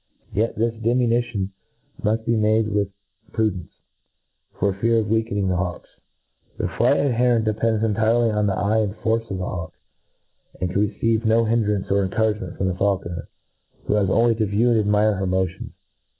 Yet this diminution muft be made with pru ^ dence, for fear of weakening the hawks. The flight at the heron depends entirely on the eye and force of the hawk, and can receive no hin dcrance or encouragement froin the faulconer, who has only to view and admire her motions.